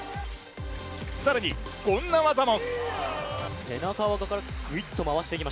更に、こんな技も。